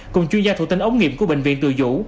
cùng chuyên gia thủ tinh ống nghiệm của bệnh viện từ dũ